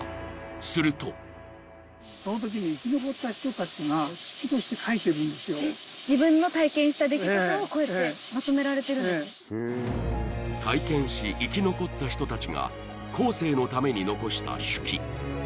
すると体験し生き残った人達が後世のために残した手記